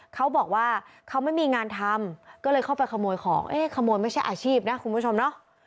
เขาบอกว่าเขาไม่มีงานทำก็เลยเข้าไปขโมยของเอ๊ะขโมยไม่ใช่อาชีพนะคุณผู้ชมเนาะ